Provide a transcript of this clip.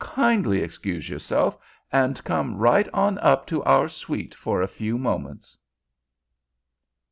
"Kindly excuse yourself and come right on up to our suite for a few moments!"